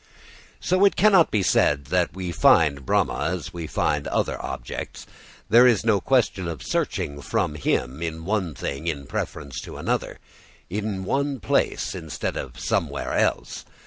So it cannot be said that we can find Brahma as we find other objects; there is no question of searching from him in one thing in preference to another, in one place instead of somewhere else.